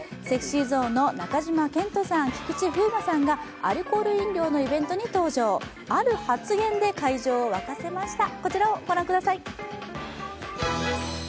ＳｅｘｙＺｏｎｅの中島健人さん、菊池風磨さんがアルコール飲料のイベントに登場、ある発言で会場を沸かせました。